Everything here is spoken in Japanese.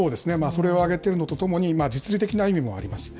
それを挙げているのとともに、実利的な意味もあります。